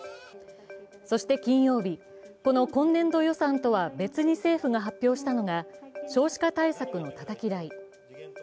そして金曜日、この今年度予算とは別に政府が発表したのが少子化対策のたたき台。